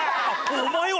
お前は！